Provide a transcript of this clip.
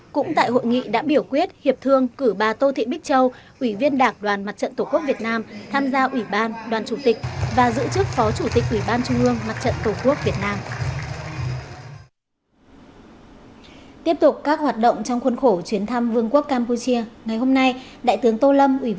cũng tại hội nghị đã biểu quyết hiệp thương cử bà tô thị bích châu ủy viên đảng đoàn mặt trận tổ quốc việt nam tham gia ủy ban đoàn chủ tịch và giữ chức phó chủ tịch ủy ban trung ương mặt trận tổ quốc việt nam